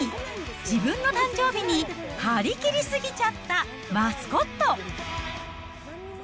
自分の誕生日に張り切り過ぎちゃったマスコット。